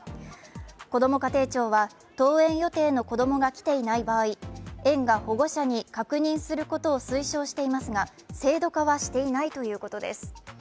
こども家庭庁は登園予定の子供が来ていない場合、園が保護者に確認することを推奨していますが制度化はしていないということです。